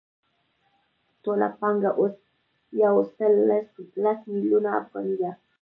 ټوله پانګه اوس یو سل لس میلیونه افغانۍ ده